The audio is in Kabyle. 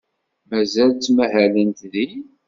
Mazal ttmahalent din?